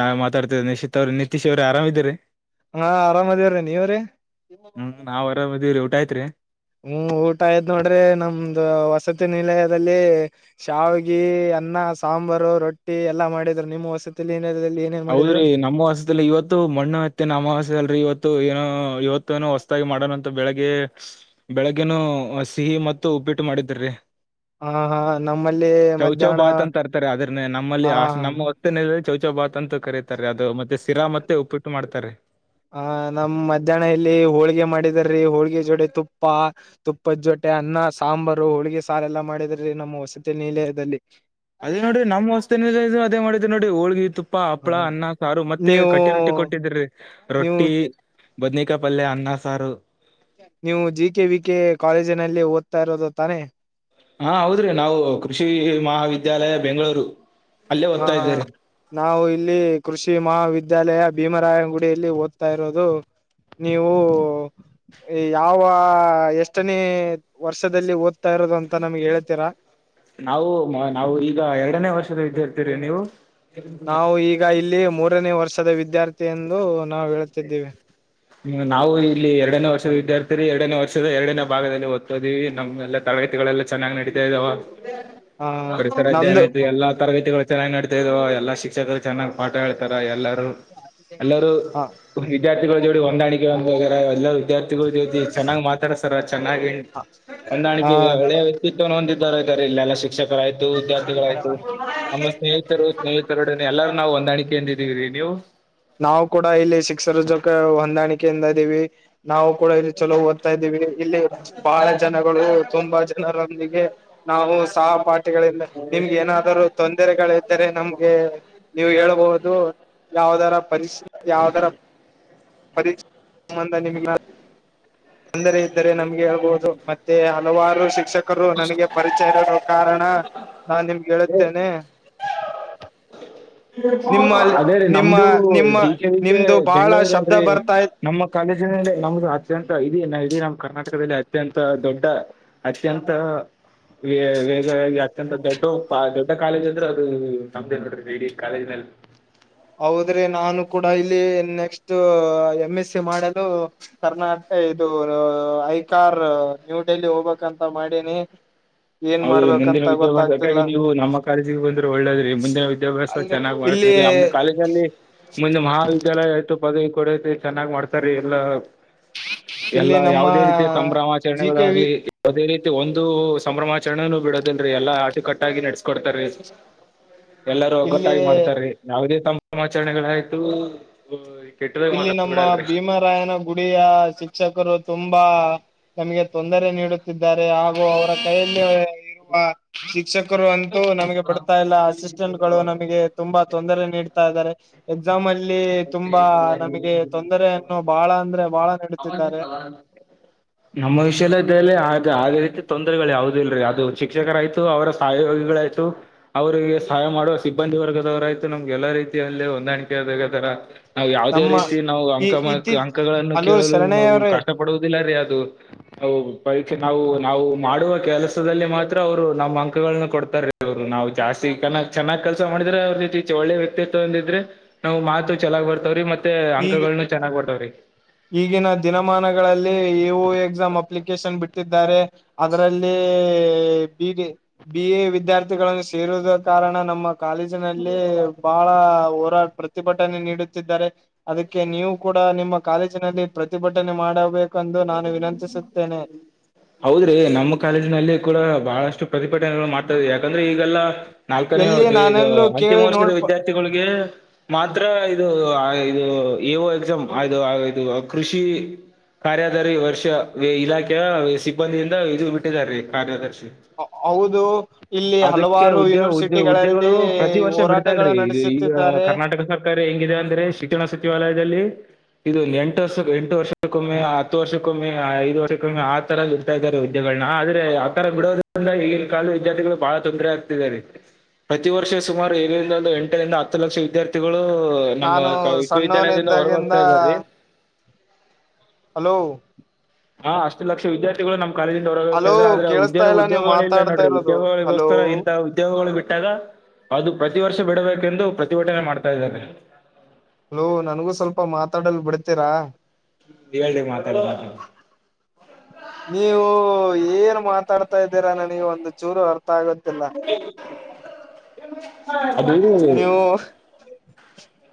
ನಾನೇ ಮಾತಾಡ್ತೀದಿನಿ ನಿತೀಶ ಅವರು ನಿತೀಶ್ ಅವ್ರೆ ಆರಾಮ ಇದರಿ ಹಾ, ಆರಾಮ್ದೇವ್ರೀ ನೀವ್ರೀ- ಹ್ಮ್, ನಾವ್ ಆರಾಮ ಆದಿವ್ರಿ ಊಟ ಆಯತ್ರಿ. ಹ್ಮ್, ಊಟ ಆಯ್ತನೋಡ್ರಿ ನಮ್ದ ವಸತಿ ನಿಲಯದಲ್ಲಿ. ಶಾವಿಗೆ, ಅನ್ನ, ಸಾಂಬಾರು, ರೊಟ್ಟಿ ಎಲ್ಲಾ ಮಾಡಿದ್ರು ನಿಮ್ಮ್ ವಸತಿ ನಿಲಯದಲ್ಲಿ ಏನೇನ್ ಮಾಡಿದ್ರು ಹೌದ್ರಿ ನಮ್ಮ ವಸತಿಯಲ್ಲಿ ಇವತ್ತು ಮಣ್ಣು ಎತ್ತಿನ ಅಮಾವಾಸಿ ಅದಾ ಅಲ್ರೀ ಇವತ್ತು ಏನೋ ಇವತ್ತು ಮ ಹೊಸದಾಗಿ ಮಾಡೋಣಂತ ಬೆಳಿಗ್ಗೆ ಬೆಳಿಗ್ಗೆನು ಸಿಹಿ ಮತ್ತು ಉಪ್ಪಿಟ್ಟು ಮಾಡಿದರಿ. ಹ ಹಾ ನಮ್ಮಲ್ಲಿ ಚೌ ಚೌ ಮಧ್ಯಾಹ್ನ ಭಾತ ಅಂತ ಅರ್ತಾರಿ ಅದ್ರ ಹ ನಮ್ಮಲ್ಲಿ ನಮ್ಮ ವಸತಿನಿಲಯ ಚೌಚ ಭಾತ್ ಅಂತ ಕರಿತಾರೆ ಅದು ಮತ್ತೆ ಸಿರಾ ಮತ್ತೆ ಉಪ್ಪಿಟ್ಟು ಮಾಡ್ತಾರೆ. ಹ ನಮ್ ಮಧ್ಯಾಹ್ನ ಇಲ್ಲಿ ಹೋಳಿಗೆ ಮಾಡಿದಾರೆ ರಿ ಹೋಳಿಗೆ ಜೋತೆ ತುಪ್ಪ. ತುಪ್ಪದ ಜೊತೆ ಅನ್ನ, ಸಾಂಬಾರು ಹೋಳಿಗೆ ಸಾರ ಎಲ್ಲಾ ಮಾಡಿದ್ರೀ ನಮ್ಮ ವಸತಿ ನಿಲಯದಲ್ಲಿ. ಅದೇ ನೋಡಿ ನಮ್ಮ ವಸತಿ ನಿಲಯ ಅದೇ ಮಾಡಿದ್ ನೋಡಿ ಹೋಳ್ಗಿ ತು ಹಪ್ಪ ಹ ಹಪ್ಳ ಅನ್ನ, ಸಾರು ಮತ್ತೆ ನೀವು ಕಟ್ಟಿ ರೊಟ್ಟಿ ಕೊಟ್ಟಿದ್ರರಿ. ನೀವು ರೊಟ್ಟಿ- ಬದನಿಕಾಪಲ್ಲೆ ಅನ್ನ ಸಾರು. ನೀವು ಜಿ ಕೆ ವಿ ಕೆ ಕಾಲೇಜಿನಲ್ಲಿ ಓದ್ತಾ ಇರೋದು ತಾನೆ. ಹಾ ಹೌದ್ರಿ ನಾವು ಕೃಷಿ ಮಹಾವಿದ್ಯಾಲಯ ಬೆಂಗಳೂರು. ಅಲ್ಲೇ ಹಾ, ಓದ್ತಾ ಹಾ ಇದ್ದೇರಿ ನಾವು ಇಲ್ಲಿ ಕೃಷಿ ಮಹಾವಿದ್ಯಾಲಯ ಭೀಮರಾಯನಗುಡಿಯಲ್ಲಿ ಓದ್ತಾ ಇರೋದು. ನೀವು ಯಾವ ಎಷ್ಟನೇ ವರ್ಷದಲ್ಲಿ ಓದ್ತಾ ಇರೋದು ಅಂತ ನಮ್ಗೆ ಹೇಳ್ತೀರಾ. ನಾವು ನಾವು ಈಗ ಎರಡನೇ ವರ್ಷದ ವಿದ್ಯಾರ್ಥಿರೀ ನೀವು. ನಾವು ಈಗ ಇಲ್ಲಿ ಮೂರನೇ ವರ್ಷದ ವಿದ್ಯಾರ್ಥಿ ಎಂದು ನಾವು ಹೇಳತಿದ್ದೀವಿ. ಹ್ಮ, ನಾವು ಇಲ್ಲಿ ಎರಡನೇ ವರ್ಷದ ವಿದ್ಯಾರ್ಥಿರಿ ಎರಡನೇ ವರ್ಷದ ಎರಡನೇ ಭಾಗದಲ್ಲಿ ಓದತೋದಿವಿ ನಮ್ಮೆ ತರಗತಿಗಳೆಲ್ಲ ಚೆನ್ನಾಗಿನಡೀತಾ ಇದಾವ ಪರಿಸರ ಹ ಅಧ್ಯಯನ ನಮ್ದು ಆಯ್ತು ಎಲ್ಲಾ ತರಗತಿಗಳು. ಚೆನ್ನಾಗಿ ನಡಿತಾಇದಾವ ಎಲ್ಲಾ ಶಿಕ್ಷಕರು ಚೆನ್ನಾಗಿಪಾಠ ಹೇಳ್ತಾರೆ ಎಲ್ಲರೂ ಎಲ್ಲರು ಹ ವಿದ್ಯಾರ್ಥಿಗಳ ಜೂಡಿ ಹೊಂದಾಣಿಕೆ ಎಲ್ಲ ವಿದಾರ್ಥಿ. [unintelligible] ಚೆನ್ನಾಗ್ ಮಾತಾಡಿಸ್ತಾರ ಚನ್ನಾಗಿ [unintelligible] ಹ ತ್ವೊಂಡ ಹೊಂದಾರ ಇದತಾರೆ ಇಲ್ಲೆಲ್ಲ ಶಿಕ್ಷಕರ ಆಯ್ತು ವಿದ್ಯಾರ್ಥಿಗಳಾಯ್ತು ನಮ್ಮ ಸ್ನೇಹಿತರು ಸ್ನೇಹಿತರೊಡನೆ ಎಲ್ಲರುನಾ ಹೊಂದಾಣಿಕೆಯಿಂದ ಇದೀವಿರಿ ನೀವು. ನಾವು ಕೂಡ ಇಲ್ಲಿ ಶಿಕ್ಷರ ಜೋಕ ಹೊಂದಾಣಿಕೆಯಿಂದ ಇದೀವಿ ನಾವು ಕೂಡ ಇಲ್ಲಿ ಚೊಲೋ ಓದ್ತಾ ಇದೀವಿ ಇಲ್ಲಿ. ಬಹಳ ಜನಗಳು ತುಂಬಾ ಜನರೊಂದಿಗೆ ನಾವು ಸಹಪಾಟ್ ಗಳಿಂದ ನಿಮ್ಗೆ ಏನಾದ್ರು ತೊಂದರೆಗಳ್ದರೆ ನಮ್ಗೆ ನೀವು ಹೇಳ ಬಹುದು. ಯಾವುದರ ಪರಿಶ್ ಯಾವುದರ. ಪರೀಕ್ಷೆ ಸಂಬಂಧ ನಿಮ್ ತೊಂದರೆ ಇದ್ದರೆ ನಮ್ಗೆ ಹೇಳ್ಬಹುದು ಮತ್. ಮತ್ತೆ ಹಲವಾರು ಶಿಕ್ಷಕರು ನನಗೆ ಪರಿಚಯ ಇರುವ ಕಾರಣ ನಾನ್ ನಿಮ್ಗೆ ಹೇಳುತ್ತೇನೆ. ನಿಮ್ಮಲ್ಲಿ ಅದೇ ರೀ ನಿಮ್ಮ ನಮ್ದು ನಿಮ್ಮ ಜಿ ಕೆ ವಿ ಕೆ ನಿಮ್ದು ಬಹಳ ಬೆಂಗಳೂರ್ ಶಬ್ದ ಅಲ್ರಿ ಬರ್ತಾ ಇದೆ ನಮ್ಮ ಕಾಲೇಜಿನಲ್ಲಿ ನಮ್ದು ಅತ್ಯಂತ ಇದೀ ಇದೀ ನಮ್ಮ್ ಕರ್ನಾಟಕದಲ್ಲಿ ಅತ್ಯಂತ ದೊಡ್ಡ ಅತ್ಯಂತ ವೇಗವಾಗಿ ಅತ್ಯಂತ ದೊಡ್ಡ ದೊಡ್ಡ ಕಾಲೇಜ್ ಅಂದ್ರೆ ಅದು ನಮ್ಮದೇ ನೋಡ್ರಿ ಇಡಿ ಕಾಲೇಜ್ನಲ್ಲಿ ಹೌದ್ರಿ ನಾನು ಕೂಡ ಇಲ್ಲಿ ನೆಕ್ಸ್ಟ್ ಎಮ್ ಎಸ್ ಸಿ ಮಾಡಲು ಕರ್ನಾಟಕ ಇದು ಐಕಾರ್ ನ್ಯೂ ಡೆಲ್ಲಿ ಹೋಗ್ಬೇಕಂತ ಮಾಡಿನಿ ಹೌದು ಮುಂದಿನ ವಿದ್ಯಾಭ್ಯಾಸಕಾಗಿ ನೀವು ನಮ್ಮ ಕಾಲೇಜಿಗೆ ಬಂದ್ರೆ ಒಳ್ಳೇದ್ರಿ ಮುಂದೆ ವಿದ್ಯಾಭ್ಯಾಸ ಅಲ್ರಿ ಚೆನ್ನಾಗಿ ಇಲ್ಲಿ ಮಾಡ್ತರಿ ಆಮೆಲ್ ಕಾಲೇಜಿನಲ್ಲಿ ಮುಂದೆ ಮಹಾವಿದ್ಯಾಲಯ ಆಯ್ತು ಪದವಿ ಕೊಡತಿ ಚೆನ್ನಾಗ್ ಮಾಡ್ತಾರೆ ಎಲ್ಲಾ ಇಲ್ಲಿ ಎಲ್ಲಾ ನಮ್ಮ ಯಾವುದೇ ರೀತಿಯ ಸಂಭ್ರಮ ಜಿ ಕೆ ವಿ ಆಚರಣೆಗಳಾಗಲಿ ಅದೇ ರೀತಿ ಒಂದು ಸಂಭ್ರಮಾಚರಣೆನೂ ಬಿಡೋದೇನ್ರೀ ಎಲ್ಲಾ ಅಚುಕಟ್ಟಾಗಿ ನಡೆಸ್ಕೊಡ್ತಾರ್ ರಿ ಎಲ್ಲರೂ ಇಲ್ಲಿ ಒಗ್ಗೊಟ್ಟಾಗಿ ಮಾಡ್ತಾರೀ ಯಾವುದೇ ಸಂಭ್ರಮ ಆಚರಣೆಗಳಾಯ್ತು ಹ್ಮ್ ಕೆಟ್ಟದಾಗಿ ಇಲ್ಲಿ ಮಾತಾಡ ನಮ್ಮ ಬಿಡಲ್ರಿ [unintelligible] ಗುಡಿಯ ಶಿಕ್ಷಕರು ತುಂಬಾ ತಮಗೆ ತೊಂದರೆ ನೀಡುತ್ತಿದ್ದಾರೆ ಹಾಗು ಅವರ ಕೈಯಲ್ಲಿ ಇರುವ ಶಿಕ್ಷಕರು ಅಂತೂ ನಮಗೆ ಬಡ್ತಾ ಇಲ್ಲ ಅಸಿಸ್ಟೆಂಟ್ ಗಳು ನಮಗೆ ತುಂಬಾ ತೊಂದರೆ ನೀಡ್ತಾ ಇದ್ದಾರೆ ಎಕ್ಸಾಮ್ ಅಲ್ಲಿ ತುಂಬಾ ನಮಗೆ ತೊಂದರೆಯನ್ನು ಬಹಳ ಅಂದ್ರೆ ಬಹಳ ನಿಡುತ್ತಿದ್ದಾರೆ ನಮ್ಮ ವಿಷಯಲ್ಲ ಇದಲ್ಲಿ ಅದೇ ರೀತಿ ತೊಂದರೆಗಳು ಯಾವ್ದು ಇಲ್ರರಿ ಅದು ಶಿಕ್ಷಕರಾಯ್ತು ಅವರ [unintelligible] ಅವ್ರಿಗೆ ಸಹಾಯ ಮಾಡುವ ಸಿಬ್ಬಂದಿ ವರ್ಗದವರ ಆಯ್ತು ನಮ್ಗೆ ಎಲ್ಲಾ ರೀತಿಯಲ್ಲಿ ಹೊಂದಾಣಿಕೆ ಆದಗತರ ನಾವು ಯಾವುದೇ ನಮ್ಮ ರೀತಿ ನಾವು ಈ ಅಂಕಮ ಇತ್ತೀ ಅಂಕಗಳನ್ನು ಹಲೋ ಕೇಳಲು ಶರಣಯ್ಯ ನಾವು ಅವ್ರೇ ಕಷ್ಟ ಪಡುವುದಿಲ್ಲ ರೀ ಅದು ಪರೀಕ್ಷೆ ನಾವು ನಾವು ಮಾಡುವ ಕೆಲಸದಲ್ಲಿ ಮಾತ್ರ ಅವರು ನಮ್ಮ ಅಂಕಗಳನ್ನ ಕೊಡ್ತಾರೆ ಅವ್ರು ನಾವು ಜಾಸ್ತಿ ಕ ಚೆನ್ನಾಗಿ ಕೆಲಸ ಮಾಡಿದ್ರೆ ಅವ್ರ ಇತಿಚೆ ಒಳ್ಳೆ ವ್ಯಕ್ತಿತ್ವ ಅಂದಿದ್ರೆ ನಾವ್ ಮಾತು ಚೆನ್ನಾಗ್ ಬರ್ತವ್ರೀ ಮತ್ತೆ ಈಗ ಅಂಕಲ್ಗಳನು ಚೆನ್ನಾಗ್ ಬರ್ತವ್ರಿ ಈಗಿನ ದಿನಮಾನಗಳಲ್ಲಿ ಯು ಎಕ್ಸಾಮ್ ಅಪ್ಲಿಕೇಶನ್ ಬಿಟ್ ತ್ತಿದ್ದಾರೆ ಅದರಲ್ಲಿ ಬೀ [unintelligible] ಬಿ ಎ ವಿದ್ಯಾರ್ಥಿಗಳನ್ನು ಸೇರುದ ಕಾರಣ ನಮ್ಮ ಕಾಲೇಜ್ ಲ್ಲಿ ಬಹಳ ಹೋರಾಟ್ ಪ್ರತಿಭಟನೆ ನೀಡುತ್ತಿದ್ದಾರೆ ಅದಕ್ಕೆ ನೀವು ಕೂಡ ನಿಮ್ಮ ಕಾಲೇಜಿನಲ್ಲಿ ಪ್ರತಿಭಟನೆ ಮಾಡಬೇಕು. ಕಂದು ನಾನು ವಿನಂತಿಸುತ್ತೇನೆ ಹೌದ್ರಿ ನಮ್ಮ ಕಾಲೇಜ ನಲ್ಲಿ ಕೂಡ ಬಹಳಷ್ಟು ಪ್ರತಿಭಟನೆಗಳು ಮಾಡ್ತ್ವಿ ಯಾಕಂದ್ರೆ ಈಗೆಲ್ಲ ನಾಲ್ಕನೇ ಎಲ್ಲಿ ಹವತಿ ಇದು ನಾನೆಲ್ಲೂ ಅಂತಿಮ ಕೇಳಿ ವರ್ಗದ ನೋಡ್ಪ ವಿದ್ಯಾರ್ಥಿಗಳಿಗೆ ಮಾತ್ರ ಇದು ಇದು ವೋ ಎಕ್ಸ ಇದು ಇದು ಕೃಷಿ ಕಾರ್ಯದಾರಿ ಈ ವರ್ಷ ಇಲಾಖೆಯ ಸಿಬ್ಬಂದಿಯಿಂದ ಇದು ಬಿಟ್ಟಿದಿದ್ದಾರೆರೀ ಕಾರ್ಯದರ್ಶಿ. ಹೌದು ಇಲ್ಲಿ ಅದಕ್ಕೆ ಹಲವಾರು ಯೂನಿವರ್ಸಿಟಿಗಳಲ್ಲಿ ಹೋರಾಟ. ಸಲ್ರಿ ಇದು ಈಗ ಕರ್ನಾಟಕ ಸಾರ್. ಹಂಗಿದೆ ಅಂದ್ರೆ ಶಿಕ್ಷಣ ಸಚಿವಾಲಯದಲ್ಲಿ ಇದು ಎಂಟು ವರ್ಷ ಎಂಟು ವರ್ಷ. ಕೊಮ್ಮೆ ಹತ್ತು ವರ್ಷಕ್ಕೊಮ್ಮೆ ಐದು ವರ್ಷಕ್ಕೊಮ್ಮೆ ಆತರ ಇಡ್ತಾ ಇದ್ದಾರೆ ವುದ್ದೆಗಳನ್ನ ಆದ್ರೆ ಆತರ ಬಿಡೋದ. ಈಗ ಕಾಲದ ವಿದ್ಯಾರ್ಥಿಗಳು ಬಹಳ ತೊಂದರೆ ಆಗ್ತಿದ್ದೆ ರೀ. ಪ್ರತಿ ವರ್ಷ ಸುಮಾರು ಏಳರಿಲೂ ಎಂಟರಿಂದ ಹತ್ತು ಲಕ್ಷ ವಿದ್ಯಾರ್ಥಿಗಳು. ನಮ್ಮ ನಾನು ಕ- ಸಣ್ಣವನ ವಿಶ್ವವಿದ್ಯಾಲಯದಿಂದ ಇದ್ದಾಗಿಂದ ಹೊರಗೋಗ್ತಾ ಇದ್ದಾರೆ ಹಲೋ. ಹಾ ಅಷ್ಟು ಲಕ್ಷ ವಿದ್ಯಾರ್ಥಿ. ಉದೋಗ್ಯಗಳು ಕಾಲೇಜಿಂದ ಹಲೋ ಹೊರಗೋಗ್ತಾರೆ ಆದ್ರೆ ಕೇಳಿಸ್ತಾ ಉದ್ಯೋಗ ಇಲ್ಲ ನೀವು ಉದ್ಯೋಗಗಳ ಇಲ್ಲ ಮಾತಾಡ್ತಾ ನೋಡ್ರಿ ಇರೋದು ಹಲೋ ಉದ್ಯೋಗಗಳಿಗೋಸ್ಕರ ಇಂತ. ಉದ್ಯೋಗಗಳು ಬಿಟ್ಟಾಗ ಅದು ಪ್ರತಿ ವರ್ಷ ಬಿಡಬೇಕೆಂದು ಪ್ರತಿಭಟನೆ ಮಾಡ್ತಾ ಇದ್ದಾರೆ. ಹಲೋ ನನ್ಗೂ ಸ್ವಲ್ಪ ಮಾತಾಡಲ್ ಬಿಡ್ತೀರಾ. ಹೇಳ್ರಿ ಮಾತಾಡಿ [inaudible] ನೀವು ಏನ್ ಮಾತಾಡ್ತಾ ಇದ್ದೀರಾ ನನಗೆ ಒಂದು ಚೂರು ಅರ್ಥ ಆಗತ್ತಿಲ್ಲ. ಅದು ನೀವು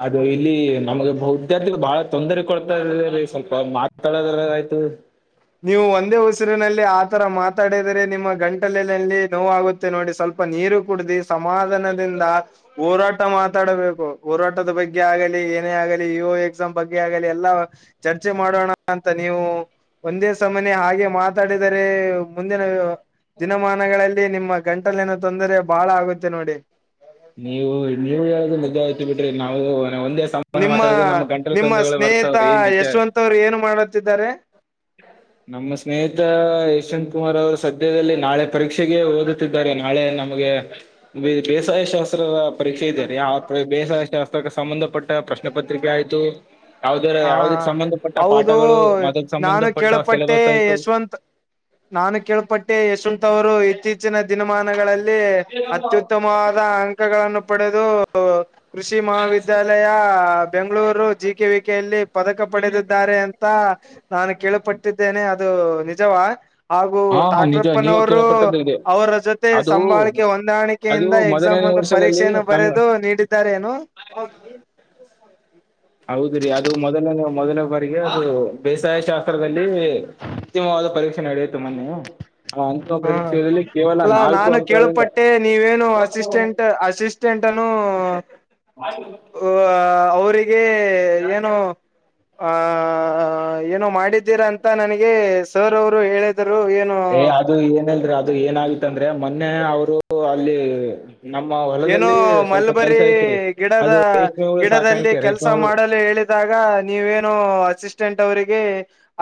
ಅದು ಇಲ್ಲಿ ನಮಗೆ ವಿದ್ಯಾರ್ಥಿಗಳು ಬಹಳ. ತೊಂದರೆ ಕೊಡ್ತಾಯಿದೆರೀ ಸ್ವಲ್ಪ ಮಾತಾಡೋದ್ರ ಆಯ್ತು. ನೀವು ಒಂದೇ ಉಸಿರಿನಲ್ಲಿ ಆತರ ಮಾತಾಡಿದರೆ ನಿಮ್ಮ ಗಂಟಲಲ್ಲಿ ನೋವುಗುತ್ತೆ. ನೋಡಿ ಸ್ವಲ್ಪ ನೀರು ಕುಡ್ದಿ ಸಮಾಧಾನದಿಂದ. ಹೋರಾಟ ಮಾತಾಡಬೇಕು ಹೋರಾಟದ ಬಗ್ಗೆ ಆಗಲಿ ಏನೇ ಆಗಲಿ ಇ ಓ ಎಕ್ಸಾಮ್ ಬಗ್ಗೆ ಆಗಲಿ ಎಲ್ಲಾ. ಚರ್ಚೆ ಮಾಡೋಣ ಅಂತ ನೀವು. ಒಂದೇ ಸಮನೆ ಹಾಗೆ ಮಾತಾಡಿದರೆ ಮುಂದಿನ ದಿನಮಾನಗಳಲ್ಲಿ ನಿಮ್ಮ. ಗಂಟಲಿನಾ ತೊಂದರೆ ಬಾಳ ಆಗುತ್ತೆ ನೋಡಿ. ನೀವು ನೀವು ಹೇಳೋದು ನಿಜ ಆಯ್ತು ಬಿಡ್ರಿ ನಾವು ಒಂದೇ ಸಮನೆ. ನಿಮ್ಮ ಮಾತಾಡದು ನಮ್ಮ ಗಂಟಲು ನಿಮ್ಮ ತೊಂದರೆಗಳು ಸ್ನೇಹಿತ ಬರ್ತಾವ್ರಿ ನಿಜ ಯಶವಂತ್ ಅವರು ಏನು ಮಾಡುತ್ತಿದ್ದಾರೆ ನಮ್ಮ ಸ್ನೇಹಿತ ಯಶವಂತ್ ಕುಮಾರ್ ಅವರು ಸದ್ಯದಲ್ಲಿ ನಾಳೆ ಪರೀಕ್ಷೆಗೆ ಓದ. ನಾಳೆ ನಮಗೆ ಬೇಸ್ ಶಾಸ್ತ್ರದ ಪರೀಕ್ಷೆ ಇದೆ ರೀ ಬೇಸಾಯ ಶಾಸ್ತ್ರಕ್ಕೆ ಸಂಬಂಧಪಟ್ಟ ಪ್ರಶ್ನೆಪತ್ರಿಕೆ ಆಯ್ತು. ಯಾವದ ಹ ಯಾವದಕ್ ಸಂಬಂಧ ಪಟ್ಟ ಹೌದು ಪಾಠಗಳು ಅದಕ್ ಸಂಬಂಧ ನಾನು ಪಟ್ಟ ಕೇಳಪಟ್ಟೆ ಸಿಲೆಬಸ್ ಆಯ್ತು. ಯಶವಂತ್ ನಾನು ಕೇಳ್ಪಟ್ಟೆ ಯಶವಂತ್ ಅವರು ಇತ್ತೀಚಿನ ದಿನಮಾನಗಳಲ್ಲಿ. ಅತ್ಯುತ್ತಮವಾದ ಅಂಕಗಳನ್ನು ಪಡೆದು ಕೃಷಿ ಮಹಾವಿದ್ಯಾಲಯ. ಬೆಂಗಳೂರು ಜ ಕೆ ವಿಕೆಯಲ್ಲಿ ಪದಕ ಪಡೆದಿದ್ದಾರೆ ಅಂತ. ನಾನು ಕೇಳಪಟ್ಟಿದ್ದೇನೆ ಅದು ನಿಜವಾ ಹಾಗು ಹಾ ನಿಜ ನೀವು ಟಾಕ್ರಪ್ಪನವರು ಕೇಳಪಟ್ಟದ್ದು ಇದೆ ಅವರ ಜೊತೆ ಅದು ಸಂಭಾಳಿಕೆ ಹೊಂದಾಣಿಕೆ. ಅದು ಎಕ್ಸಾಮ್ ಮೊದಲನೇ ಅನ್ನು ವರ್ಷದಲ್ಲಿ ಪರೀಕ್ಷೆೆಯನ್ನು ನಮ್ಮ ಬರೆದು ನೀಡಿದ್ದಾರೆ ಏನು. ಹೌದ್ರೀ ಅದು ಮೊದಲನೇ ಮೊದಲನೇ ಬಾರಿಗೆ ಅದು ಬೇಸಾಯ ಶಾಸ್ತ್ರದಲ್ಲಿ. ಉತ್ತಿಮವಾದ ಪರೀಕ್ಷೆ ನೆಡೆಯಿತು ಮೊನೆ ಹಾ ಅಲ್ಲಾ ನಾಲ್ಕು ನಾನು ಅಂಕಗಳಿಂದ ಕೇಳಪಟ್ಟೆ ನೀವೇನು ಅಸಿಸ್ಟೆಂಟ್ ಅಸಿಸ್ಟ. ಅಸಿಸ್ಟೆಂಟ್ನನ್ನು [inaudible] ಆ ಅವರಿಗೆ ಏನು ಆ. ಆ ಏನು ಮಾಡಿದ್ದೀರಾ ಅಂತ ನನಗೆ ಸರ್ ಅವರು ಹೇಳರು ಏನು. ಏ ಅದು ಏನಿಲ್ರಿ ಅದು ಏನಗತ್ತಂದ್ರೆ ಮೊನ್ನೆ ಅವರು ಅಲ್ಲಿ. ನಮ್ಮ ಏನೋ ಹೊಲದಲ್ಲಿ ಸ್ವಲ್ಪ ಮಲ್ಬರಿ ಕೆಲ್ಸ ಐತ್ರಿ ಗಿಡದ ಅದು ರೇಷ್ಮೆ ಹುಳು ಗಿಡದಲ್ಲಿ ಸಾಕಾಣಿಕೆ ಕೆಲ್ಸ ರೇಷ್ಮೆ ಹುಳು ಮಾಡಲು ಹೇಳ. ಇದಾಗ ನೀವೇನು ಅಸಿಸ್ಟೆಂಟ್ ಅವರಿಗೆ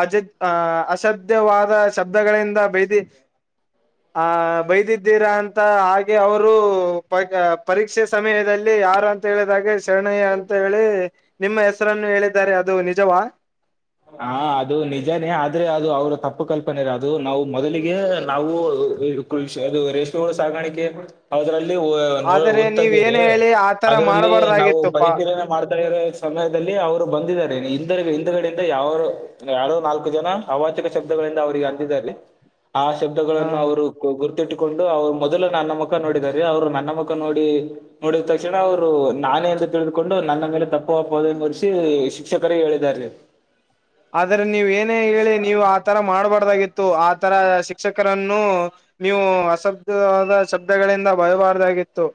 ಅಜ ಅಹ್ ಅಸಾಧ್ಯವಾದ ಶಬ್ದಗಳಿಂದ ಬೇದಿ ಆ ಬೈದಿದ್ದೀರಾ ಅಂತ ಹಾಗೆ ಅವರು ಪ ಪರೀಕ್ಷೆ ಸಮಯದಲ್ಲಿ ಯಾರು ಅಂತ ಹೇಳಿದಾಗ ಶರಣಯ್ಯ ಅಂತ ಹೇಳಿ ನಿಮ್ಮ ಹೆಸರನ್ನು ಹೇಳಿದ್ದಾರೆ ಅದು ನಿಜವಾ ಹಾ ಅದು ನಿಜಾನೇ ಆದ್ರೆ ಅದು ಅವ್ರ ತಪ್ಪು ಕಲ್ಪನೆ ಅದು ನಾವು ಮೊದಲಿಗೆ ನಾವು ದು ರೇಷ್ಮೆಹುಳು ಸಾಗಾಣಿಕೆ ಅದ್ರಲ್ಲಿ ನ ಆದರೆ ಓದ್ತಾ ನೀವ್ ಇದೀವ್ರೀ ಏನ್ ಹೇಳಿ ಆತರ ಅದ್ರಲ್ಲಿ ನಾವು ಮಾಡಬಾರ್ದಾಗಿತ್ತುಪ್ಪಾ ಪರಿಶೀಲನೆ ಮಾಡ್ತಾ ಇದವ್ರೆ ಸಮಯದಲ್ಲಿ ಅವರು ಬಂದಿದ್ದಾರೆ ಹಿಂದಂದುಗಡೆ ಯ ಯಾರೋ ನಾಲ್ಕು ಜನ ಅವಾಚಕ ಶಬ್ದಗಳಿಂದ ಅವರಿಗೆ ಅಂದಿದಲ್ಲಿ ಆ ಶಬ್ ಗಳನ್ನು ಹಾ. ಅವರು ಗುರುತಿಟ್ಟುಕೊಂಡು ಅವರು ಮೊದಲು ನನ್ನ ಮೂಖ ನೋಡಿದ್ದಾರೆ ಅವರು ನನ್ನ ಮೂಖ ನೋಡಿ ನೋಡಿದ ತಕ್ಷಣ ಅವ್ರು ನಾನೇ ಅಂತ ತಿಳಿದುಕೊಂಡು ನನ್ನ ಮೇಲೆ ತಪ್ಪು ಆಪ್ಪೋದನೆ ಹೊದಿಸಿ ಶಿಕ್ಷೆ ಬೇರೆ ಹೇಳಿದ್ದಾರೆ. ಆದ್ರೆ ನೀವು ಏನೇ ಹೇಳಿ ನೀವು ಆತರ ಮಾಡ್ಬಾರ್ದಾಗಿತ್ತು ಆತರ ಶಿಕ್ಷಕರನ್ನು ನೀವು ಅಸಬ್ಯವಾದ ಶಬ್ದಗಳಿಂದ ಬಯಬಾರ್ದಾಗಿತ್ತು.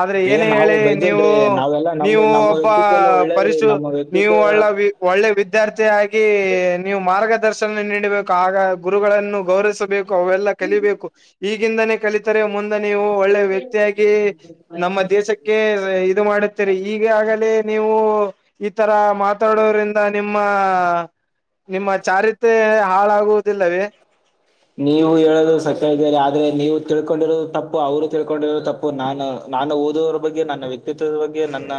ಆದ್ರೆ ಏ ಏನೇ ನಾವು ಹೇಳಿ ನೀವು ಬೈದಿಲ್ರಿ ನಾವೆಲ್ಲಾ ನಮ್ ನೀವು ನಮ್ಮ ಒಬ್ಬ ವ್ಯಕ್ತಿತ್ವ ಎಲ್ಲಾ ಒಳ್ಳೇದ್ರಿ ಪರಿಶು ನಮ್ಮ ನೀವು ವ್ಯಕ್ತಿತ್ವ ಒಳ್ಳೆ ಒಳ್ಳೆ ವಿದ್ಯಾರ್ಥಿಯಾಗಿ ನೀವು ಮಾರ್ಗದರ್ಶನ ನೀಡಬೇಕು ಆಗಾಗ್ ಗುರುಗಳನ್ನು ಗೌರವಿಸಬೇಕು ಅವೆಲ್ಲ ಕಲಿಬೇಕು ಈಗಿಂದನೇ ಕಲಿತರೆ ಮುಂದ್ ದನೆ ನೀವು ಒಳ್ಳೆ ವ್ಯಕ್ತಿಯಾಗಿ ನಮ್ಮ ದೇಶಕ್ಕೆ ಇದು ಮಾಡುತ್ತೀರಿ ಈಗ ಆಗಲೇ ನೀವು ಈ ತರ ಮಾತಾಡೋರಿಂದ ನಿಮ್ಮ ನಿಮ್ಮ ಚಾರಿತೆ ಹಾಳಾಗುವುದಿಲ್ಲವೇ. ನೀವು ಹೇಳದು ಸತ್ಯ ಇದೆರೀ ಆದ್ರೆ ನೀವು ತಿಳ್ಕೊಂಡಿರೋದು ತಪ್ಪು ಅವರು ತಿಳ್ಕೊಂಡಿರೋದು ತಪ್ಪು ಪ್ ನಾನು ನಾನು ಓದುವರ ಬಗ್ಗೆ ನನ್ನ ವ್ಯಕ್ತಿತ್ವದ ಬಗ್ಗೆ ನನ್ನ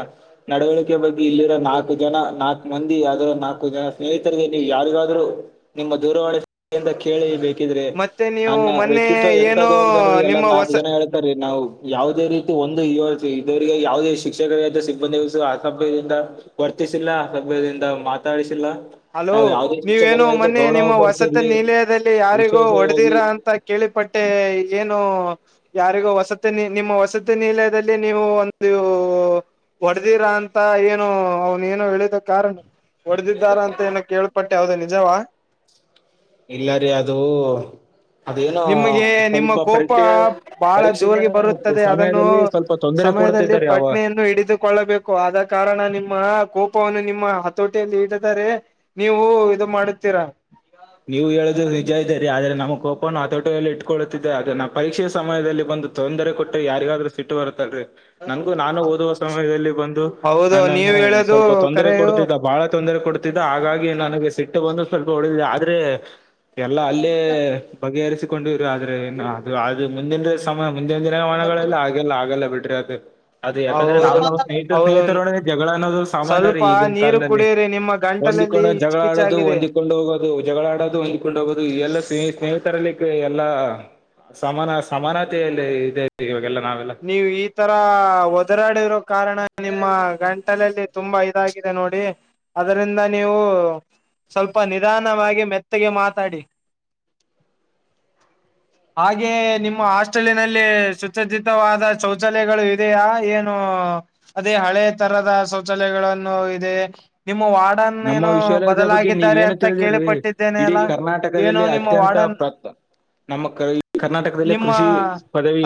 ನಡವಳಿಕೆ ಬಗ್ಗೆ ಇಲ್ಲಿರೋ ನಾಲ್ಕು ಜನ ನಾಲ್ಕು ಮಂದಿ ಆದರ ನಾಲ್ಕು ಜನ ಸ್ನೇಹಿತರಿಗೆ ನೀವು ಯಾರಿಗಾದ್ರೂ ನಿಮ್ಮ ದೂರವಾಣಿ ಸಂಖ್ಯೆ ಇಂದು ಕೇಳಿ ಬೇಕ್ ಕಿಂದ್ರೆ ಮತ್ತೆ ನೀವು ನನ್ನ ಮೊನ್ನೆ ವ್ಯಕ್ತಿತ್ವ ಏನೋ ಎಂತದೂ ಒಂದ ನ ಎಲ್ಲ ನಿಮ್ಮ ನಾಲ್ಕು ಹೊಸ ಜನ ಹೇಳ್ ರೀ ನಾವು ಯಾವುದೇ ರೀತಿ ಒಂದು ಇವ ಇದವರಿಗೆ ಯಾವುದೇ ಶಿಕ್ಷಕರ ಸಿಬ್ಬಂದಿ ಅಸಭ್ಯದಿಂದ ವರ್ತಿಸಿಲ್ಲ ಅಸಭ್ಯದಿಂದ ಮಾತಾಡಿಸಿಲ್ಲ. ಹಲೋ ನಾವ್ ಯಾವುದೇ ನೀವೇನು ಶಿಕ್ಷಕರಿಗಾಯ್ತು ಮೊನ್ನೆ ಗೌರವ ನಿಮ್ಮ ವಸಂತಿ ಕೊಡ್ತಿರ್ಲಿ ನಿಲಯದಲ್ಲಿ ಯಾರಿಗೂ ವಿಶೇಷವಾಗಿ ಹೊಡೆದಿರಾ ಅಂತ್ ಅಂತ ಕೇಳಿಪಟ್ಟೆ ಇದ್ದೇನೂ. ಯಾರಿಗೂ ವಸತಿ ನಿಮ್ಮ ವಸತಿ ನಿಲಯದಲ್ಲಿ ನೀವು ಒಂದು ಹೊಡೆದಿರ ಅಂತ ಏನು ಅವನ ಏನೂ ಹೇಳಿದ ಕಾರಣ ಹೊಡೆದಿದ್ದಾರ ಅಂತ ಏನೋ ಕೇಳ್ಪಟ್ಟೆ ಆವುದೋ ನಿಜವಾ. ಇಲ್ಲ ರೀ ಅದು ಅದೇನೋ ನಿಮಗೆ ನಿಮ್ಮ ಸ್ವಲ್ಪ ಕೋಪ ಪರೀಕ್ಷೆಯ ಬಹಳ ಪರೀಕ್ಷೆಯ ಜೋಗೆ ಬರುತ್ತದೆ ಅದನ್ನು ಸಮಯದಲ್ಲಿ ಸ್ವಲ್ಪ ತೊಂದರೆ ಸಮಯದಲ್ಲಿ ಕೊಡ್ತಿದ್ದಾರೆ ಅವ ಪಟ್ನೆಯನ್ನು ಹಿಡಿದು ಕೊಳ್ಳಬೇಕು ಆದ ಕಾರಣ ನಿಮ್ಮ ಕೋಪವನ್ನು ನಿಮ್ಮ ಹತೋಟಿಯಲ್ಲಿ ಇಡಿದರೆ ನೀವು ಇದು ಮಾಡುತ್ತೀರಾ. ನೀವು ಹೇಳಿದ್ರ ನಿಜ ಇದ್ದರಿ ಆದ್ರೆ ನಮ್ಮ ಕೋಪನು ಆತೋಟಲ್ಲಿ ಇಟ್ಟಕೊಳ್ಳತ್ತಿದ್ದೆ ಆದ್ರೆ ನಾ ಪರೀಕ್ಷೆಯ ಸಮಯದಲ್ಲಿ ಬಂದು ತೊಂದರೆ ಕೊಟ್ಟ್ರೆ ಯಾರಿಗಾದ್ರರು ಸಿಟ್ಟು ಬರುತ್ತೆ. ನಂಗು ನಾನು ಓದುವ ಸಮಯದಲ್ಲಿ ಬಂದು ಹೌದು ನನ್ನನ್ನು ನೀವ್ ಹೇಳೋದು ಸ್ವಲ್ಪ ತೊಂದರೆ ಕರೆಯು ಕೊಡ್ತಿದ್ದ ಬಾಳ ತೊಂದರೆ ಕೊಡ್ತ್ ತ್ತಿದ್ದ ಹಾಗಾಗಿ ನನಗೆ ಸಿಟ್ಟು ಬಂದು ಸ್ವಲ್ಪ ಹೊಡೆದಿದೆ ಆದ್ರೆ ಎಲ್ಲಾ ಅಲ್ಲೇ ಬಗೆಹರಿಸಿಕೊಂಡಿರು ಆದ್ರೆ ಏದು ಅ ಮುಂದಿನ ಸಲೀೆ ಸಮಯ ಮುಂಂದಿನ ದಿನಾವಣೆಲ್ಲ ಆಗಲ್ಲ ಆಗಲ್ಲ ಬಿಡ್ರಿ ಅದು ಅದ ಯಾಕಂದ್ರೆ ನಾವು ಹೌದು ನಾವು ಸ್ನೇಹಿತರ ಹೌದು ಸ್ನೇಹಿತರಡ ಜಗಳ ಅನ್ನೋದು ಸಾಮಾನ್ಯ ಸ್ವಲ್ಪ ರೀ ಈಗಿನ ನೀರು ಕಾಲದಲ್ಲಿ ಕುಡಿಯಿರಿ ನಿಮ್ಮ ಗಂಟಲಲ್ಲಿ ಹೊಂದಿಕೊಂಡ ಜಗಳ ಹಿಚ್ಕಿಚ್ ಆಡೋದು ಆಗಿದೆ ಹೊಂದಿಕೊಂಡು ಹೋಗೋದು ಜಗಳಾಡೋದು ಹೊಂದ್ಕೊಂಡು ಹೋಗೋುದು ಈ ಎಲ್ಲ ಸ್ನೇ ಸ್ನೇಹಿತರಲ್ಲಿ ಎಲ್ಲಾ. ಸಮಾನ ಸಮಾನತೆಯಲ್ಲಿ ಇದೆ ಇವಾಗೆಲ್ಲ ನಾವೆಲ್ಲ. ನೀವು ಈ ತರ ಒದರಾಡಿರೋ ಕಾರಣ ನಿಮ್ಮ ಗಂಟಲಲ್ಲಿ ತುಂಬಾ ಇದಾಗಿದೆ ನೋಡಿ. ಅದರಿಂದ ನೀವು ಸ್ವಲ್ಪ ನಿಧಾನವಾಗಿ ಮೆತ್ತಗೆ ಮಾತಾಡಿ. ಹಾಗೆಯ ನಿಮ್ಮ ಹಾಸ್ಟೆಲಿನಲ್ಲಿ ಸುಚಜೀತವಾದ ಶೌಚಾಲಯಗಳು. ಇದಿಯಾ ಏನು ಅದೇ ಹಳೆ ತರದ ಶೌಚಾಲಯಗಳನ್ನು ಇದೆ ನಿಮ್ಮ ವಾರ್ಡ್. ನಮ್ಮ ವಿಶ್ವಾಲಯದ ಬಗ್ಗೆ ನೀವ ಏನು ತಿಳಿದಿರ್ರಿ ಕೇಳಿಪಟ್ಟಿದ್ದೇನೆ ಇಡೀ ಅಲ್ಲ ಏನೋ ಕರ್ನಾಟಕದಲ್ಲಿ ನಿಮ್ಮ ಅತ್ಯಂತ ವಾರ್ಡನ್ ಪ್ರಾಪ್ತ. ನಮ್ಮ ಈ ಕರ್ನಾಟಕದಲ್ಲಿ ನಿಮ್ಮ ಕೃಷಿ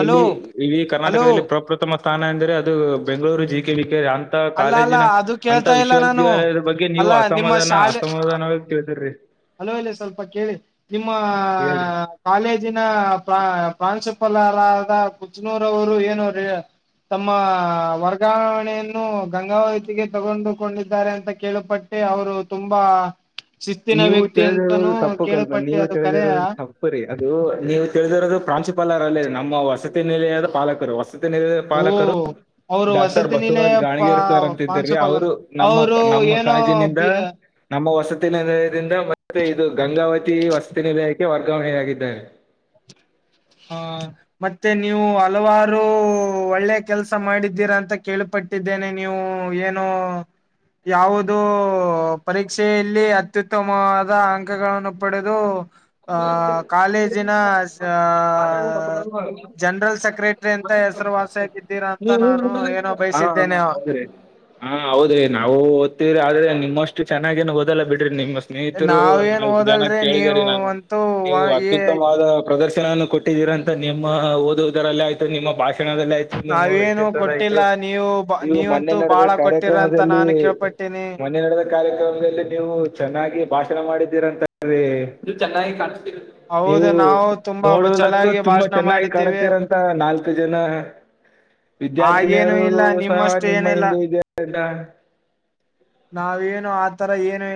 ಹಲೋ ಇಡೀ ಹಲೋ ಕರ್ನಾಟಕದಲ್ಲಿ ಪ್ರ. ಉತ್ತಮ ಸ್ಥಾನ ಎಂದರೆ ಅದು Bengaluru G K V K ಅಂತ ಅಲ್ಲ ಅಲ್ಲ ಕಾಲೇಜಿನ ಅದು ಅಂತ ಕೇಳ್ತಾ ಇಲ್ಲ ನಾನು ವಿಶ್ವವಿದ್ಯಾಲಯ. ನೀವು ಅಲ್ಲ ಅಸಮಾಧಾನ ಅಸಮಾಧಾನವಾಗಿ ತಿಳಿದಿರ್ರಿ. ಅಲಲ್ಲಿ ಸ್ವಲ್ಪ ಕೇಳಿ ನಿಮ್ಮ. ಹೇಳ್ರಿ ಕಾಲೇಜಿನ ಪ್ರಾ ಪ್ರಾನ್ಸಿಪಲ್ರಾದ ಕುಜನೂರ ಅವರು ಏನು. ತಮ್ಮ ವರ್ಗಾವಣೆಯನ್ನು. ಗಂಗಾವತಿಗೆ ತಗೊಂಡುಕೊಂಡಿದ್ದಾರೆ ಅಂತ ಕೇಳಪಟ್ಟೆ ಅವರು ತುಂಬಾ. ಶಿಸ್ತಿನ ನೀವು ವ್ಯಕ್ತಿ ಅಂತನೂ ತಿಳಿದಿರೋದು ಕೇಳಪಟ್ಟೆ ಅದು ಕರೆಯ. ಸರಿ ಅದು ನೀವು ತಿಳಿದಿರೋದು ಪ್ರಾಂಶುಪಾಲರ ಅಲ್ಲೇ ನಮ್ಮ ವಸತಿ ನಿಲಯದ ಪಾಲಕರು. ವಸತಿ ನಿಲಯದ ಓ ಪಾಲಕರು ಅವರು ಡಾಕ್ಟರ್ ವಸತಿ ನಿಲಯ ಬಸವರಾಜ್ ಗಾಣಗಿರ್ ಸರ್ ಅಂತಿದೀ ಪ್ರಾಂಶುಪಾಲರು ಅವರು. ನಮ್ಮ ಅವರು ನಮ್ಮ ಏನೋ ಕಾಲೇಜಿನಿಂದ. ಬಿ ನಮ್ಮ ವಸತಿ ನಿಲಯದಿಂದ ಮತ್ತೆ ಇದು ಗಂಗಾವತಿ ವಸತಿ ನಿಲಯಕ್ಕೆ ವರ್ಗಾವಣೆ ಆಗಿದ್ದಾರೆ. ಹಾ ಮತ್ತೆ ನೀವು ಹಲವಾರು. ಒಳ್ಳೆ ಕೆಲ್ಸ ಮಾಡಿದ್ದೀರಾ ಅಂತ ಕೇಳಪಟ್ಟಿದ್ದೇನೆ ನೀವು ಏನೋ. ಯಾವುದ ಪರೀಕ್ಷೆಯಲ್ಲಿ ಅತ್ಯುತ್ತಮವಾದ ಅಂಕಗಳನ್ನು ಪಡೆದು. ಆ ಕಾಲೇಜಿನ ಹಾ. ಜನರಲ್ ಸೆಕ್ರೆಟ್ರರಿ ಅಂತ ಹೆಸರುವಾಸಿಯಾಗಿದ್ದೀರಾ ಅಂತ ನಾನು ಏನೊ. ಹಾ ಬಯಸಿದ್ದೇನೆ. ಹಾ, ಹೌದ್ರಿ ಹಾ ಹೌದ್ರಿ ನಾವು ಓದುತಿವ್ರಿ ಆದ್ರೆ ನಿಮ್ಮಷ್ಟು. ಚೆನ್ನಾಗೇನು ಓದಲ್ಲ ಬಿಡ್ರಿ ನಿಮ್ಮ ಸ್ನೇಹಿತರು ನಾವೇನ್ ನಾಲ್ಕ್ ಜನ ಓದಲ್ರಿ ಕೇಳಿದ ರೀ ನೀವು ನಾನು. ಅಂತೂ ನೀವು ಅತ್ಯುತ್ತಮವಾದ. ಪ್ರದರ್ಶನವನ್ನು ಕೊಟ್ಟಿದ್ದೀರಂತ ನಿಮ್ಮ ಓದುವುದರಲ್ಲೇ ಆಯ್ತು ನಿಮ್ಮ ಭಾಷಣದಲ್ಲ ಆಯ್ತು. ನಿಮ್ಮ ನಾವೇನು ವ್ಯಕ್ತಿವದು ಕೊಟ್ಟಿಲ್ಲ ಆಯ್ತು ನೀವು ಇವು ಮೊನ್ನೆ ನೀವಂತೂ ನಡೆದ ಬಾಳ ಕೊಟ್ಟಿರ ಅಂತ ಕಾರ್ಯಕ್ರಮದಲ್ಲಿ ನಾನು ಕೇಳ್ಪಟ್ಟೀನಿ ಮೊನ್ನೆ ನಡೆದ. ಕಾರ್ಯಕ್ರಮದಲ್ಲಿ ನೀವು ಚೆನ್ನಾಗಿ ಭಾಷಣ ಮಾಡಿದ್ದೀರಂತ ಚೆನ್ನಾಗಿ. ಹೌದು ನೀವು ನಾವು ತುಂಬಾ ನೋಡುವುದಕ್ಕೂ ಚೆನ್ನಾಗಿ ತುಂಬಾ ಭಾಷಣ ಚೆನ್ನಾಗಿ ಮಾಡಿದ್ದೇವೆ ಕಾಣತೀರಂತ ನಾಲ್ಕು ಜನ. ಹಾಗೇನು ವಿದ್ಯಾರ್ಥಿನಿಯರು ಇಲ್ಲ ಸಹ ನಿಮ್ಮಷ್ಟು ನಿಮ್ಮ ಏನಿಲ್ಲ ಹಿಂದೆ ಇದಾರೆ ಅಂತ. ನಾವೇನು ಆತರ ಏನು